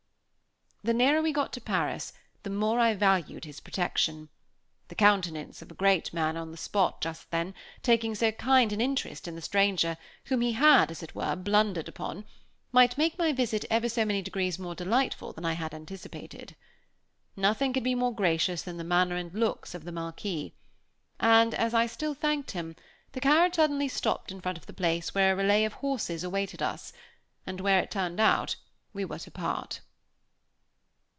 The nearer we got to Paris, the more I valued his protection. The countenance of a great man on the spot, just then, taking so kind an interest in the stranger whom he had, as it were, blundered upon, might make my visit ever so many degrees more delightful than I had anticipated. Nothing could be more gracious than the manner and looks of the Marquis; and, as I still thanked him, the carriage suddenly stopped in front of the place where a relay of horses awaited us, and where, as it turned out, we were to part.